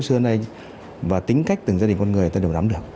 xưa nay và tính cách từng gia đình con người ta đều nắm được